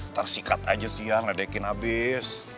ntar sikat aja siang ngedekin abis